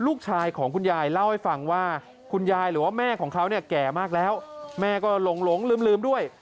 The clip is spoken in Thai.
ลูกชายของคุณยายเล่าให้ฟังว่าคุณยายหรือว่าแม่ของเขาเนี่ยแก่มากแล้วแม่ก็หลงลืมด้วย